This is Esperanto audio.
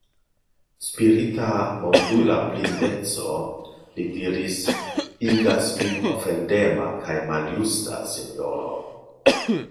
Spirita, mondula blindeco, li diris, igas vin ofendema kaj maljusta, sinjoro.